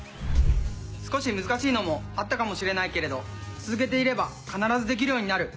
少し難しいのもあったかもしれないけれど続けていれば必ずできるようになる。